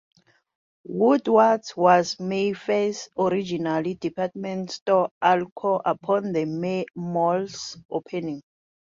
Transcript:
Woodward's was Mayfair's original department store anchor upon the mall's opening.